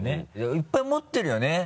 いっぱい持ってるよね？